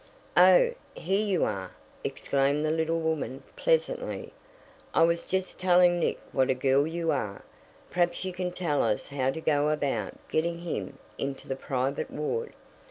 "Oh, here you are!" exclaimed the little woman pleasantly. "I was just telling Nick what a girl you are. Perhaps you can tell us how to go about getting him into the private ward.